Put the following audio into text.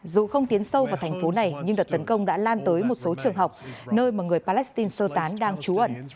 dù không tiến sâu vào thành phố này nhưng đợt tấn công đã lan tới một số trường học nơi mà người palestine sơ tán đang trú ẩn